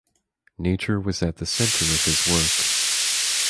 Nature was at the centre of his work.